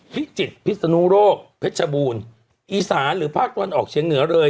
พิจิตรพิศนุโรคเพชรบูรณ์อีสานหรือภาคตะวันออกเชียงเหนือเลย